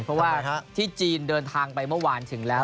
เพราะว่าที่จีนเดินทางไปเมื่อวานถึงแล้ว